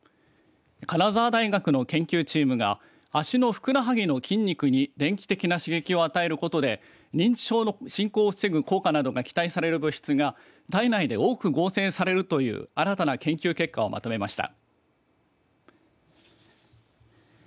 金沢大学の研究チームが足のふくらはぎの筋肉に電気的な刺激を与えることで認知症の進行を防ぐ効果などが期待される物質が体内で多く合成されるという新たな研究結果をまとめました。